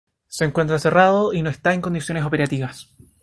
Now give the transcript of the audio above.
Se encuentra cerrado y no está en condiciones operativas.